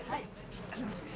ありがとうございます。